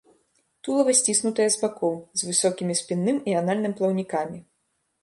Тулава сціснутае з бакоў, з высокімі спінным і анальным плаўнікамі.